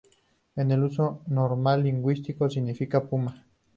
En el uso normal lingüístico significa puma.